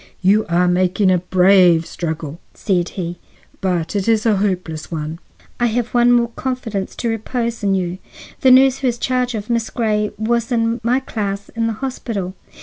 "You are making a brave struggle," said he, "but it is a hopeless one." "I have one more confidence to repose in you. The nurse who has charge of Miss Grey was in my class in the hospital.